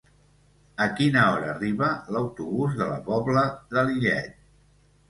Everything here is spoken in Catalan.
A quina hora arriba l'autobús de la Pobla de Lillet?